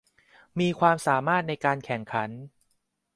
มีความสามารถในการแข่งขัน